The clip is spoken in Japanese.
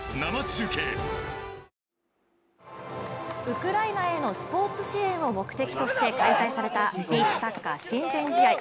ウクライナへのスポーツ支援を目的として開催されたビーチサッカー親善試合。